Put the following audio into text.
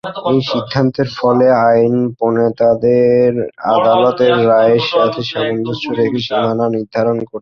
এই সিদ্ধান্তের ফলে আইন প্রণেতাদের আদালতের রায়ের সাথে সামঞ্জস্য রেখে সীমানা নির্ধারণ করতে হয়।